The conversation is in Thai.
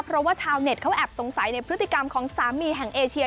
เพราะว่าชาวเน็ตเขาแอบสงสัยในพฤติกรรมของสามีแห่งเอเชีย